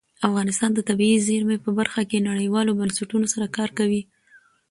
افغانستان د طبیعي زیرمې په برخه کې نړیوالو بنسټونو سره کار کوي.